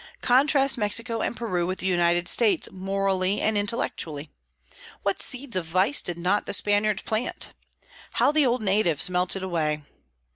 Contrast Mexico and Peru with the United States, morally and intellectually. What seeds of vice did not the Spaniards plant! How the old natives melted away!